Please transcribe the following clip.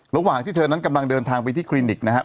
ระหว่างที่เธอนั้นกำลังเดินทางไปที่คลินิกนะครับ